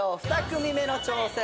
２組目の挑戦です。